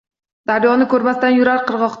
Daryoni ko’rmasdan yurar qig’oqda.